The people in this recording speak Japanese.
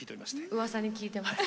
うわさに聞いてます。